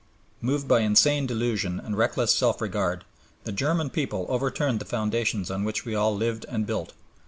Moved by insane delusion and reckless self regard, the German people overturned the foundations on which we all lived and built.